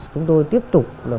chị xem là